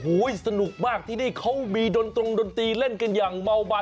วอ๋อสนุกมากเขามีดดดงดนตรีเล่นกันอย่างเมาบัน